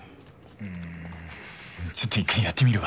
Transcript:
うんちょっと１回やってみるわ。